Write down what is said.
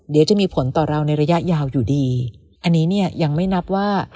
เดี๋ยวจะมีผลต่อเราในระยะยาวอยู่ดีอันนี้เนี่ยยังไม่นับว่า